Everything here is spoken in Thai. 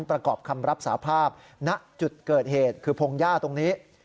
ประกอบคำรับสาภาพณจุดเกิดเหตุคือพงหญ้าตรงนี้